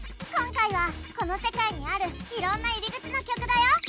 今回はこの世界にあるいろんな入り口の曲だよ。